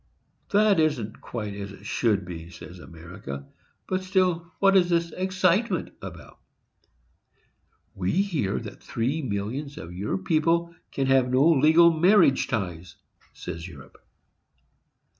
"That isn't quite as it should be," says America; "but still what is this excitement about?" "We hear that three millions of your people can have no legal marriage ties," says Europe.